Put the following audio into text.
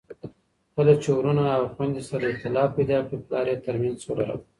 کله چي وروڼه او خويندې سره اختلاف پیدا کړي، پلار یې ترمنځ سوله راولي.